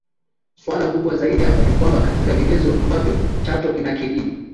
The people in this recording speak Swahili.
Suala kubwa zaidi hapa ni kwamba katika vigezo ambavyo Chato inakidhi